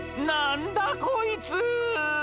なんだこいつ！